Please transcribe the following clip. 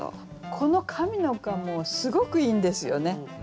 この上の句はもうすごくいいんですよね。